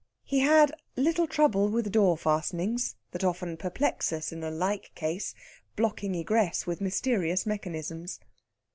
He had little trouble with the door fastenings, that often perplex us in a like case, blocking egress with mysterious mechanisms.